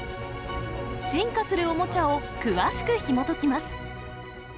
進化するおもちゃを詳しくひもと